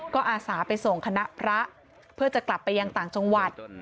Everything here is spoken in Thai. ก็อาสาไปส่งคณะพระเพื่อจะกลับไปยังต่างจังหวัด